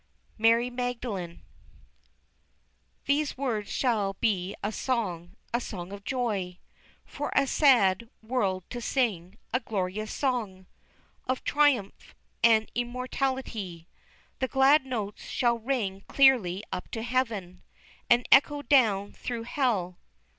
MARY MAGDALENE. These words shall be a song a song of joy For a sad world to sing, a glorious song Of triumph, and immortality, The glad notes shall ring clearly up to heaven, And echo down through hell.